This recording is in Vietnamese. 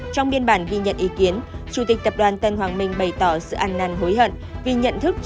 trong biên bản ghi nhận ý kiến chủ tịch tập đoàn tân hoàng minh bày tỏ sự ăn năn hối hận